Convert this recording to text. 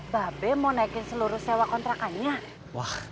beach sudah menderita kontrakan inteligensial di sewa kontrakan itu